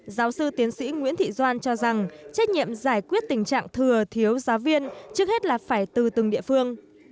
giáo sư tiến sĩ nguyễn thị doan cho rằng trách nhiệm giải quyết tình trạng thừa thiếu giáo viên trước hết là phải từ từng địa phương